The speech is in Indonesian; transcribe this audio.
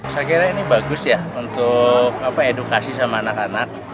saya kira ini bagus ya untuk edukasi sama anak anak